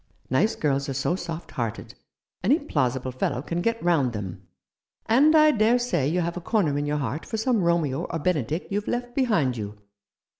Nice girls are so soft hearted ; any plausible fellow can get round them. And I dare say you have a corner in your heart for some Romeo or Benedick you've left behind you."